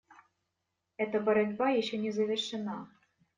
Эта борьба еще не завершена.